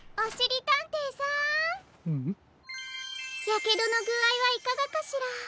やけどのぐあいはいかがかしら？